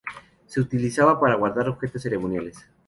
Se utilizaba para guardar objetos ceremoniales.